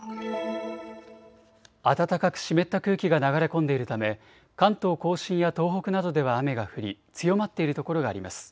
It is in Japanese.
暖かく湿った空気が流れ込んでいるため関東甲信や東北などでは雨が降り強まっているところがあります。